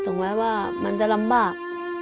ไว้ว่ามันจะลำบาก